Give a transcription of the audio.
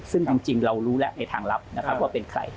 ซึ่งจริงเรารู้แล้วในทางลับนะครับว่าเป็นใคร